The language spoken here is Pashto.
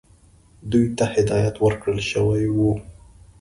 دوی ته هدایت ورکړل شوی وو.